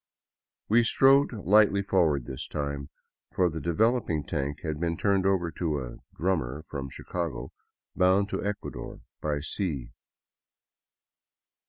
We strode lightly forward this time, for the develop ing tank had been turned over to a '' drummer " from Chicago, bound to Ecuador by sea.